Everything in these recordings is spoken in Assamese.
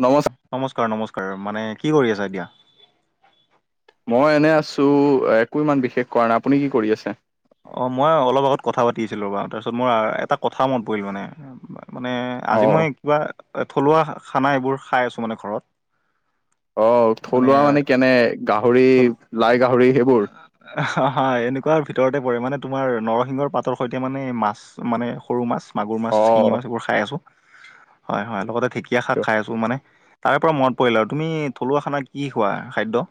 নমস্কাৰ, নমস্কাৰ নমস্কাৰ মানে কি কৰি আছা এতিয়া? মই এনে আছো একো ইমান বিশেষ কৰা নাই আপুনি কি কৰি আছে। অ' মই অলপ আগত কথা পাতি আছিলো বাৰু তাৰপিছত মোৰ এটা কথা মত পৰিল মানে মানে অ আজি মই কিবা থলুৱা খানা এইবোৰ খাই আছোঁ মানে ঘৰত। অ' থলুৱা মানে কেনে গাহৰি থল লাই গাহৰি সেইবোৰ? এনেকুৱাৰ ভিতৰতে পৰে মানে তোমাৰ নৰসিংহৰ পাতৰ সৈতে মানে মাছ মানে সৰু মাছ মাগুৰ মাছ, অ শিঙি মাছ, এইবোৰ খাই আছো হয় হয় লগতে ঢেঁকীয়া শাক খাই আছো মানে তাৰে পৰা মনত পৰিলা আৰু তুমি থলুৱা খানা কি খোৱা খাদ্য?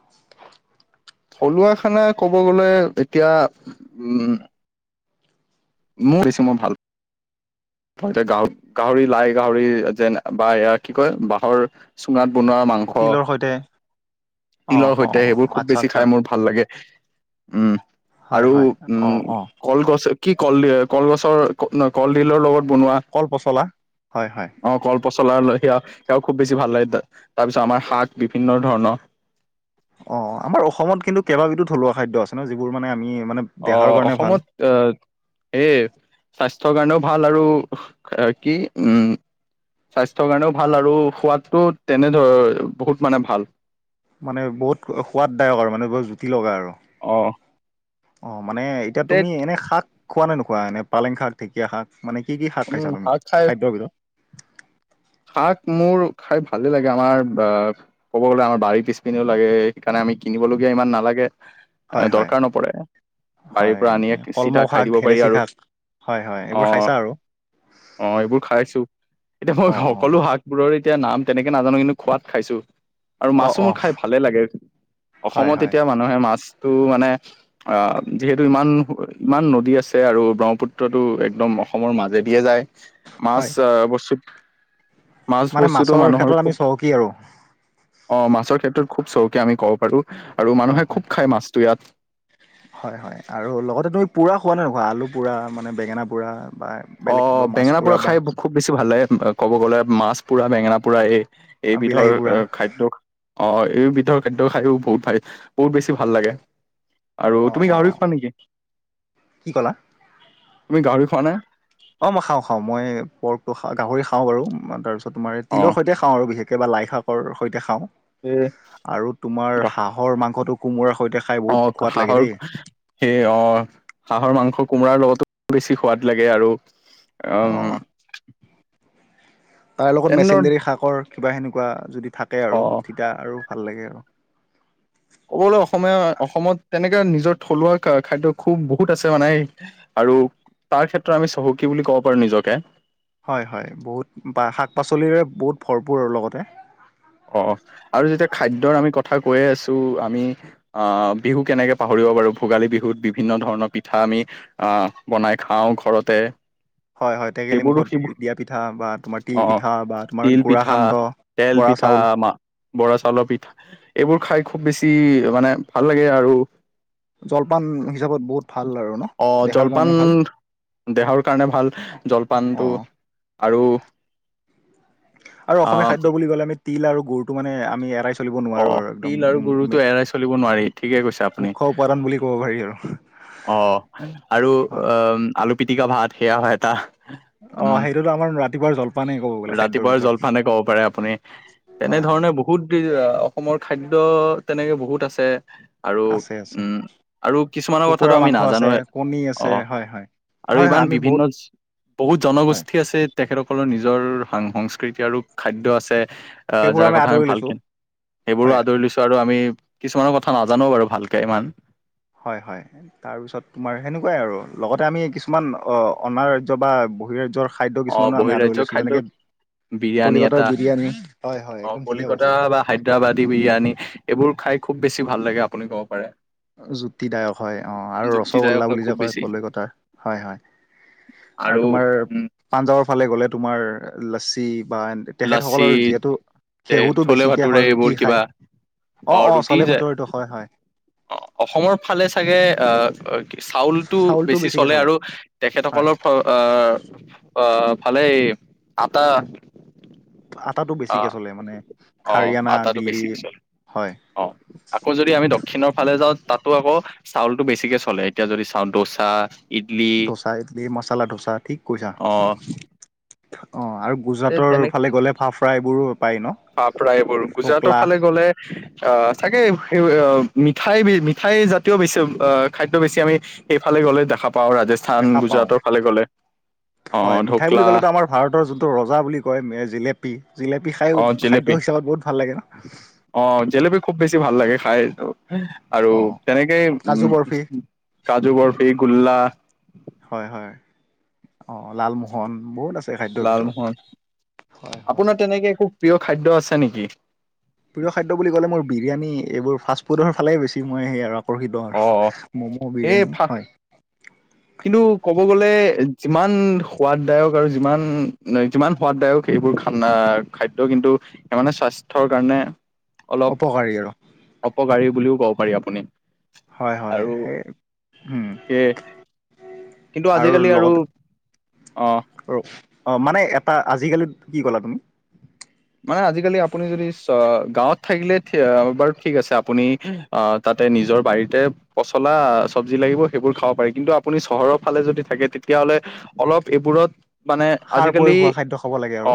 থলুৱা খানা ক'ব গলে এতিয়া উম, মোৰ ইচ্ছা মই ভাল এতিয়া গাহৰি - গাহৰি, লাই গাহৰি যেন বা এয়া কি কয় বাঁহৰ চুঙাত বনোৱা মাংস। তিলৰ সৈতে অ তিলৰ অ সৈতে সেইবোৰ খুব আচ্ছা বেছি আচ্ছা খাই মোৰ ভাল লাগে। উম হয় আৰু হয় অ উম অ কলগছ কি কলডি কলগছৰ কলডিলৰ লগত বনোৱা কল পচলা হয় হয়। পচলা লৈ সেয়া সেয়াও খুব বেছি ভাল লাগে, তা তাৰ পিছত আমাৰ শাক বিভিন্ন ধৰণৰ। অ', আমাৰ অসমত কিন্তু কেইবা বিধো থলুৱা খাদ্য আছে ন যিবোৰ মানে আমি মানে দেহাৰ অ', কাৰণে ভাল। অসমত আ এ স্বাস্থ স্বাস্থ্য কাৰণেও ভাল আৰু আ, কি উম, স্বাস্থ্যৰ কাৰণেও ভাল আৰু সোৱাদটো তেনেধৰ বহুত মানে ভাল। মানে বহুত সোৱাদদায়ক আৰু মানে বহুত জুতি লগা আৰু অ', অ', মানে এতিয়া তে তুমি এনে শাক খোৱা নে নোখোৱা এনে পালেং শাক ঢেঁকীয়া শাক? মানে কি কি শাক উম খাইছা তুমি খাই খাদ্যৰ ভিতৰত? শাক মোৰ খাই ভালে লাগে আমাৰ বা আ, ক'ব গলে আমাৰ বাৰী পিছপিনিও লাগে সেইকাৰণে আমি কিনিবলগীয়া ইমান নালাগে হয় হয় দৰকাৰ নপৰে। বাৰীৰ হয় পৰা আনি ইয়াক চিধা কলমৌ শাক খাই দিব পাৰি ধেলেচি আৰু শাক হয় হয় এইবোৰ অ', খাইছা আৰু অ', এইবোৰ খাইছো এতিয়া মই অ অ সকলো শাক বোৰৰ এতিয়া নাম তেনেকে নাজানো কিন্তু খোৱাত খাইছোঁ। আৰু অ মাছো অ মোৰ খায় ভালে লাগে হয় অসমত হয় এতিয়া মানুহে মাছ টো মানে অ', যিহেতু ইমান ইমান নদী আছে আৰু ব্ৰহ্মপুত্ৰটো একদম অসমৰ মাজে দিয়ে যায় মাছ হয় বস্তু মাছ মানে বস্তুতো মাছৰ মানুহৰ ক্ষেত্ৰত আমি খুব চহকী আৰু অ', মাছৰ ক্ষেত্ৰত খুব চমুকে আমি ক'ব পাৰো। আৰু হয়, মানুহে হয়, খুব খাই মাছটো ইয়াত হয়, হয় আৰু লগতে তোমি পোৰা খোৱা নে নোখোৱা আলু পোৰা মানে বেঙেনা পোৰা? বা বেলেগ কিবা অ', মাছ বেঙেনা পোৰা বা খাই খুব বেছি ভাল লাগে, ক'ব গ'লে মাছ পোৰা বেঙেনা পোৰা এই এইবিধৰ বিলাহী পোৰা অ', খাদ্য। অ', এই বিধৰ খাদ্য খায়ো ব পাই বহুত ভাল বহুত বেছি ভাল লাগে। আৰু অ', তুমি গাহৰি অ', খোৱা নেকি, কি ক'লা? তুমি গাহৰি খোৱা নে? অ', মই খাওঁ খাওঁ মই পৰ্কটো খা গাহৰি খাওঁ বাৰু তাৰ পিছত তোমাৰ অ তিলৰ সৈতে খাওঁ আৰু বিশেষ কেবা লাইশাকৰ সৈতে খাওঁ এই আৰু তোমাৰ গা হাঁহৰ মাংসটো কোমোৰা অ', হাঁহৰ সেই অ', হাঁহৰ মাংস কোমোৰাৰ লগতো বেছি সোৱাদ লাগে আৰু উম, অ', তাৰ লগত তেনে মেচিনডেৰী শাকৰ কিবা এনেকুৱা যদি থাকে অ আৰু তিতা আৰু। ভাল লাগে আৰু। ক'ব গলে অসমীয়া অসমত তেনেকে নিজৰ থলুৱা খা খাদ্য খুব বহুত আছে মানে। আৰু তাৰ ক্ষেত্ৰত আমি চহকী বুলি ক'ব পাৰো নিজকে। হয়, হয় বহুত বা শাক পাচলিৰে বহুত ভৰপূৰ আৰু লগতে। অ' আৰু যেতিয়া খাদ্যৰ আমি কথ কথা কৈয়ে আছো আমি আ, বিহু কেনেকে পাহৰিব পাৰো ভোগালী বিহুত বিভিন্ন ধৰণৰ পিঠা আমি আ, বনাই খাওঁ ঘৰতে। হয়, হয়, টেকেলি সেইবোৰো মুুখত সেইবোৰ দিয়া পিঠা বা তোমাৰ তিল অ পিঠা বা তোমাৰ তিল গুৰা পিঠা, সান্দহ তেল বৰা পিঠা, চাউল মা বৰা চাউলৰ পিঠা এইবোৰ খাই। খুব বেছি মানে ভাল লাগে আৰু জলপান হিচাপত বহুত ভাল আৰু ন অ দেহাৰ জলপান কাৰণে ভাল। দেহৰ কাৰণে ভাল জলপান টো অ'। আৰু। আৰু অসমীয়া আহ খাদ্য বুলি ক'লে তিল আৰু গুৰটো এৰাই চলো। চলিব অ নোৱাৰো আৰু তিল একদম। গুৰুটো এৰাই চলিব নোৱাৰি ঠিকে কৈছে আপুনি মুখ্য উপাদান বুলি ক'ব পাৰি। আৰু হয় আলু পিটিকা ভাত সেয়াও হয় এটা। অ', উম সেইটোতো আমাৰ ৰাতিপুৱাৰ জল ৰাতিপুৱাৰ জলপান কব পাৰে আপুনি, হয় হয় তেনেধৰণে বহুত আ, অসমৰ খাদ্য তেনেকে বহুত আছে। আৰু, আছে আছে উম, আৰু কিছুমানৰ কথাটো কুকুৰাৰ আমি মাংস আছে নাজানোৱে কণী আছে অ', হয় হয় আৰু হয় হয় ইমান আমি বিভিন্ন বহুত বহুত হয় জনগোষ্ঠী আছে তেখেতসকলৰ নিজৰ নিজৰ সা, সংস্কৃতি আৰু খাদ্য আছে। আ, সেইবোৰ যাৰ কথা আমি আদৰি লৈছো ভালকে, সেইবোৰো হয় আদৰি লৈছো, আৰু আমি কিছুমানৰ কথা নাজানো বাৰু ভালকে ইমান। হয়, হয়। তাৰপিছত তোমাৰ সেনেকুৱাই, আৰু লগতে আমি কিছুমান অনাৰয্য বা, বহিৰাজ্যৰ খাদ্য অ কিছুমান আমি আদৰি বহিৰাজ্যৰ লাইছোঁ। খাদ্য যেনেকে, বিৰিয়ানী কলিকতাৰ এটা, বিৰিয়ানী হয় হয় অ' একদম ঠিকে কৈছা কলিকতা বা হায়দৰাবাদী বিৰিয়ানী এইবোৰ খাই খুব, বেছি ভাল লাগে আপুনি ক'ব পাৰে। যূত্তিদায়ক হয় অ' আৰু যুক্তিদায়ক ৰসগোল্লা হয় বুলি যে খুব কয় বেছি কলিকতাৰ হয়, হয়। আৰু তোমাৰ পাঞ্জাৱৰ ফালে গ'লে তোমাৰ লাচছি। বা লাচি তেখেতসকলৰ যিহেতু এ ঘেহুটো চলে বেছিকৈ ভাটুৰে হয়, এইবোৰ ৰুটি কিবা খায়। অ' অ' ৰুটি চলে যে ভতৰিটো হয়, হয়। অ' অসমৰ ফালে চাগে আহ চাউলটো বেছি চলে আৰু তেখেতসকলৰ হয় অ' ফালে আটা আটাটো আহ বেছিকে চলে মানে অ হাৰিয়ানা, আটাটো দিল্লী বেছি চলে হয়। অ আকৌ যদি আমি দক্ষিণৰ ফালে যাওঁ। তাতো আকৌ চাউলতটো বেছিকে চলে এতিয়া যদি চাওঁ দোচা। ইডলি ধোচা, ইডলি, মচালা ধোচা ঠিক কৈছা অ অ'। আৰু তে গুজৰাটৰ ফালে গ'লে ফা ফ্ৰাই এইবোৰো পায় ন। পা ফ্ৰাই এইবোৰ গুজৰাটৰ ঢকলা ফালে গ'লে অ' চাগে। মিঠাই মিঠাই জাতীয় বেছি খাদ্য বেছি আমি সেইফালে গ'লে দেখা পাওঁ ৰাজস্থান, দেখা পাওঁ গুজৰাটৰ ফালে গ'লে আহ ঢকলা। ভজা বুলি কয় মে' জেলেপি। জিলেপি খাই অ খাদ্য জিলেপি হিচাপত বহুত ভাল লাগে নে। অ জেলেপি খুব বেছি ভাল লাগে খাই আৰু তেনেকে উ। কাজু বৰফি কাজু বৰ্ফি গল্লা। হয়, অ' লালমোহন বহুত আছে। খাদ্যৰ ভিতৰত লালমোহন হয় হয় আপোনাৰ তেনেকে একো প্ৰিয় খাদ্য আছে নেকি? প্ৰিয় খাদ্য বুলি ক'লে মোৰ বিৰিয়ানী এইবোৰ ফাৰ্ষ্টফুডৰ ফালেই বেছি মই সেই আৰু আকৰ্ষিত অ আৰু মম', এই বিৰিয়ানী ফা হয়। কিন্তু ক'ব গ'লে। যিমান সোৱাদদায়ক আৰু যিমান যিমান সোৱাদদায়ক এইবোৰ খানা খাদ্য কিন্তু তাৰ মানে স্বাস্থ্যৰ কাৰণে অলপ অপকাৰী আৰু অপকাৰী বুলিও ক'ব পাৰি, আপুনি। হয়, হয়, আৰু সেই উম। সেয়ে কিন্তু আৰু আজিকালি লগতে অ অ' মানে এটা আজিকালিত কি ক'লা তুমি। মানে আজিকালি আপুনি যদি গাঁৱত থাকিলে বাৰু ঠিক আছে, আপুনি তাত নিজৰ বাৰীতে পচলা চব্জি লাগিব সেইবোৰ খাব পাৰি কিন্তু আপুনি চহৰৰ ফালে যদি থাকে তেতিয়া তেতিলে অলপ এইবোৰত মানে সাৰ প্ৰয়োগ আজিকালি হোৱা খাদ্য খাব লাগে আৰু অ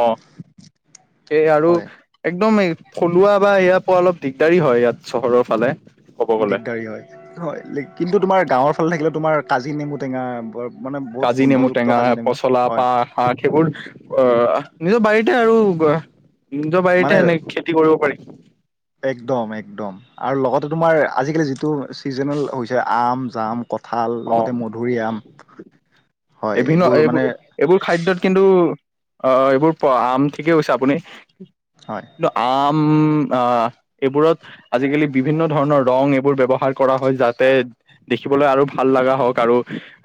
এই আৰু হয় একদম থলুৱা বা এয়া পোৱা অলপ দিগদাৰি হয় ইয়াত চহৰৰ ফালে ক'ব গ'লে দিগদাৰী হয় হয় কিন্তু তোমাৰ গাঁৱৰ ফালে থাকিলে তোমাৰ কাজি নেমু টেঙা বৰ মানে বহুত কাজি নেমু গোন্ধযুক্ত টেঙা কাজি নেমু পচলা হয় পাহ শাক সেইবোৰ আহ নিজৰ বাৰীতে আৰু নিজৰ মানে বাৰীতে এনে খেতি কৰিব পাৰি একদম একদম আৰু লগতে তোমাৰ আজিকালি যিটো চিজনেল হৈছে আম জাম কঁঠাল লগতে মধুৰিআম। বিভিন্ন এইবোৰ এইবোৰ খাদ্যত কিন্তু অ' এইবোৰ প আম ঠিকে কৈছে, আপুনি হয় কিন্তু আম এইবোৰত আজিকালি বিভিন্ন ধৰণৰ ৰং এইবোৰ ব্যৱহাৰ কৰা হয় যাতে দেখি আৰু ভাল লগা হওঁক আৰু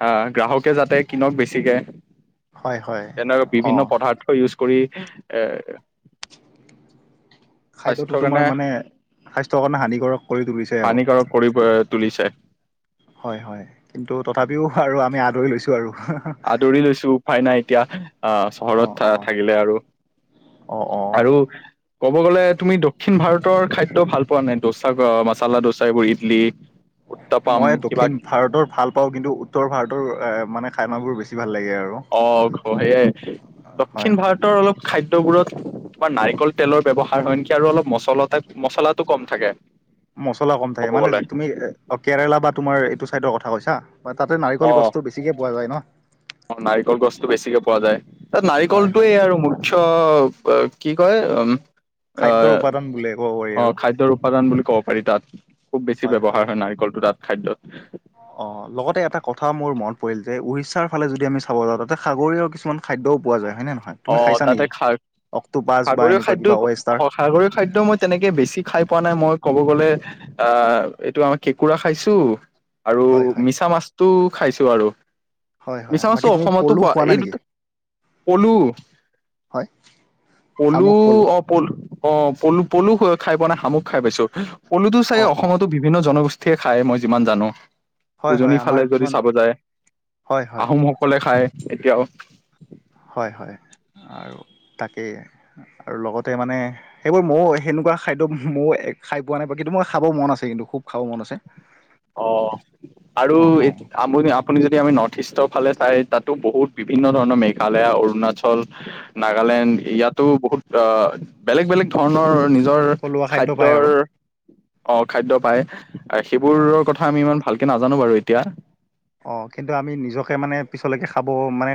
আহ গ্ৰাহকে যাতে কিনক বেছিকে। হয় হয় তেনে অ বিভিন্ন পদাৰ্থ ইউজ কৰি এৰ [inaudible] খাদ্যটো স্বাস্থ্যৰ কাৰণে তোমাৰ মানে স্বাস্থ্যৰ কাৰণে হানিকাৰক কৰি তুলিছে আৰু হানিকাৰক কৰি প- তুলিছে হয় হয় কিন্তু তথাপিও আৰু আমি আদৰি লৈছো আৰু আদৰি লৈছো উপ উপাই নাই এতিয়া আহ অ চহৰত থ অ থাকিলে আৰু অ অ আৰু ক'ব গলে তুমি দক্ষিণ ভাৰতৰ খাদ্য ভাল পোৱা নাই দোচা মচালা দোচা এইবোৰ ইডলি উত্তাপাম মই কিবা দক্ষিণ ভাৰতৰ ভাল পাওঁ কিন্তু উত্তৰ ভাৰতৰ এ মানে খাইানাব বোৰ বেছি ভাল লাগে আৰু অ সেয়াই হয় দক্ষিণ ভাৰতৰ অলপ খাদ্যবোৰত বা নাৰিকল তেলৰ ব্য্ৱহাৰ হয় নেকি আৰু অলপ মচলা মছলাাতটো কম থাকে মছলা কম থাকে ক'ব মানে গ'লে তুমি কেৰেলা বা তোমাৰ এইটো চাইডৰ কথা কৈছা তাতে অ নাৰিকল গছটো বেছিকে পোৱা যায় ন নাৰিকল গছটো বেছিকে পোৱা যায় তাত হয় হয় নাৰিকলটোৱেই আৰু মুখ্য্ কি কয় উম এ খাদ্যৰ উপাদান বুলি ক'ব পাৰি অ আৰু খাদ্যৰ উপাদান বুলি ক'ব পাৰি তাত খুব বেছি ব্যৱহাৰ হয় নাৰিকলটো তাত খাদ্্যত অ লগতে এটা কথা মোৰ মনত পৰিল যে উৰিষ্যাৰ ফালে যদি আমি চাব যাওঁ তাতে সাগৰীয় কিছুমান খাদ্য অ তাতে খা অক্টোপাছ বা সাগৰীয় এনেকুৱা কিবা খাদ্যয় ৱেষ্টাৰ সাগৰীয় খাদ্য মই তেনেকে বেছি খাই পোৱা নাই মই ক'ব গলে অ এইটো আমাৰ কেঁকুৰা খাইছো আৰু হয় হয় মিছা মাছ ো খাইছো আৰু হয় হয় মিছা চো বাকী তুমি অসমতো পলু পোৱা খোৱা এই নাই নেকি দুটা পলু হয় অ শামুক পলু পল অ পলু পলু খ খাই পোৱা নাই শামুক খাই পাইছো পলুটো চাই অ অ অসমতো বিভিন্ন জনগোষ্ঠীয়ে খাই মই যিমান জানো হয় হয় উজনিৰ আমাৰ ফালে যদি কিছুমান চাব যায় হয় হয় আহোম সকলে খায় এতিয়াও হয় হয় আৰু তাকেই আৰু লগতে মানে সেইবোৰ মৌ সেনেকুৱা খাদ একদম ময়ো খাই পোৱা নাই কিন্তু মই খাবৰ মন আছে কিন্তু খুব খাব মন আছে অ আৰু অঁ অঁ আপুনি আপুনি যদি আমি নৰ্থ ইষ্টৰ ফালে চাই তাতো বহুত বিভিন্ন ধৰণৰ মেঘালয় অৰুণাচল হয় নাগালেণ্ড ইয়াতো বহুত বেলেগ বেলেগ ধৰণৰ নিৰ থলুৱা খাদ্য পায় খাদ্যৰ আৰু অ খাদ্য পায় সেইবোৰৰ হয় ম ইমান ভালকে নাজানো বাৰু এতিয়া অ কিন্তু আমি নিজকে মানে পিছলৈকে খাব মানে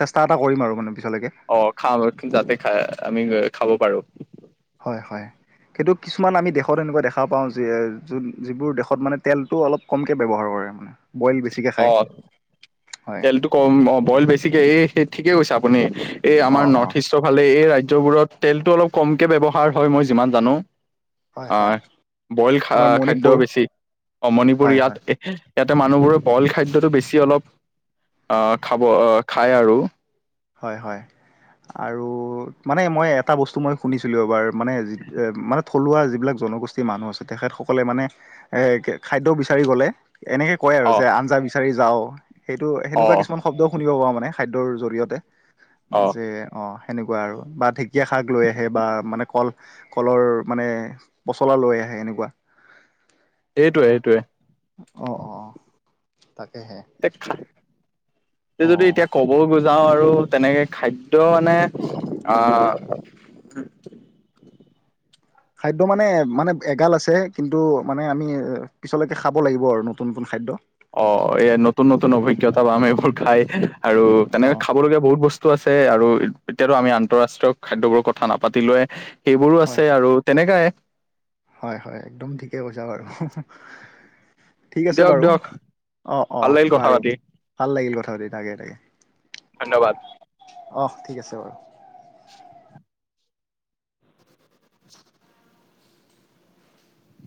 চেষ্টা এটা কৰিম আৰু মানে পিছলৈকে অ খাম যাতে খা আমি খাব পাৰো হয় হয় কিন্তু কিছুমান আমি দেশত এনেকুৱা দেখা পাওঁ যে য যিবোৰ দেশত মানে তেলটো অলপ কমকে ব্যৱহাৰ কৰে মানে বইল বেছিকৈ অ চায় তেলটো কম অ বইল বেছিকে এইেই ঠিকেই কৈছে আপুনি এই আমাৰ অঁ অঁ নৰ্থ ইষ্টৰ ফালে এই ৰাজ খ্যবোৰত তেলটো অলপ কমকে ব্যয়ৱহাৰ হয় মই যিমান জানো হয় আহ হয় বইল খা তোমাৰ খাদ্্য মণিপুৰ বেছি অমণিপুৰ হয় ইয়াত হয় ইয়াতে মানুহবোৰে বইল খাদ্যটো বেছি অলপ খাব খায় আৰু হয়, হয়। আৰু মানে মই এটা বস্তু মই শুনিছিলো, এবাৰ মানে মানে থলুৱা যিবিলাক জনগোষ্ঠীৰ মানুহ আছে, তেখেতসকলে মানে এ খাদ্য বিচাৰি গ'লে এনেকে কয় আৰু অ যে আঞ্জা বিচাৰি যাওঁ। সেইটো অ সেনেকুৱা কিছুমান শব্দও শুনিব পাওঁ মানে। খাদ্যৰ জৰিয়তে অ যে অ' সেনেকুৱা আৰু বা ঢেঁকীয়া শাক লৈ আহে বা মানে কল কলৰ মানে পচলা লৈ আহে এনেকুৱা সেইটোৱে সেইটোৱে অ অ তাকেহে তাকে অ যদি এতিয়া কব গৈ যাও আৰু আৰু তেনেকে খাদ্য মানে আহ খাদ্য মানে মানে এগাল আছে, কিন্তু মানে আমি পিছলৈকে খাব লাগিব আৰু নতুন নতুন খাদ্য। অ' এই নতুন নতুন অভিজ্ঞতা বাম এইবোৰ খাই। আৰু অ তেনেকে খাব লগীয়া বহুত বস্তু আছে, আৰু এতিয়াতো আমি আন্তঃৰাষ্ট্ৰীয় খাদ্যবোৰৰ কথা নাপাতিলোৱে সেইবোৰো হয় আছে আৰু তেনেকাই হয়, হয়। একদম ঠিকে কৈছা হয়। ঠিক আছে দিয়ক বাৰু, দিয়ক অ' অ' ভাল লাগিল কথা বাৰু পাতি ভাল লাগিল কথা পাতি তাকে ধন্যবাদ তাকে অহ' ঠিক আছে বাৰু। [inaudible]